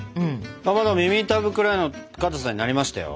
かまど耳たぶくらいのかたさになりましたよ。